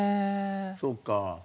そうか。